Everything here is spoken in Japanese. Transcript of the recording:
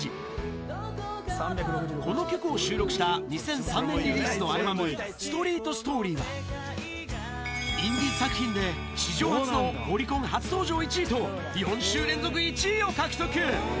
この曲を収録した２００３年リリースのアルバム、ＳｔｒｅｅｔＳｔｏｒｙは、インディーズ作品で史上初のオリコン初登場１位と、４週連続１位を獲得。